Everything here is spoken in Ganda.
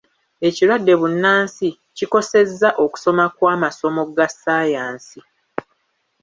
Ekirwadde bbunansi kikosezza okusoma kw'amasomo ga ssaayansi.